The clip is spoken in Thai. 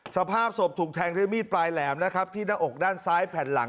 สภาพศพถูกแทงด้วยมีดปลายแหลมนะครับที่หน้าอกด้านซ้ายแผ่นหลัง